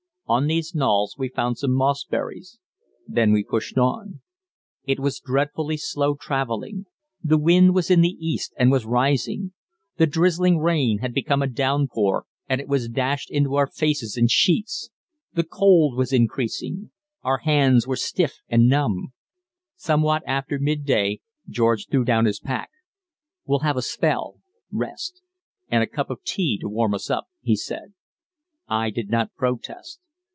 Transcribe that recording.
On these knolls we found some mossberries. Then we pushed on. It was dreadfully slow travelling. The wind was in the east, and was rising. The drizzling rain had become a downpour, and it was dashed into our faces in sheets. The cold was increasing. Our hands were stiff and numb. Somewhat after midday George threw down his pack. "We'll have a spell [rest] and a cup of tea to warm us up," he said. I did not protest.